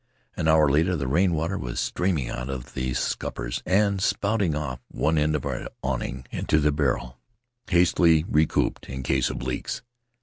An hour later the rain water was streaming out of the scuppers and spouting off one end of our awning into the barrel, hastily recoopered in case of leaks.